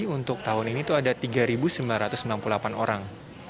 untuk tahun ini itu ada tiga sembilan ratus sembilan puluh delapan orang